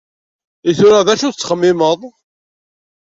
I tura, d acu i tettxemmimeḍ?